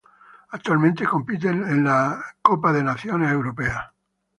Actualmente compite en el European Nations Cup.